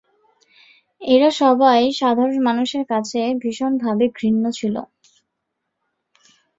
এরা সবাই সাধারণ মানুষের কাছে ভীষণভাবে ঘৃণ্য ছিল।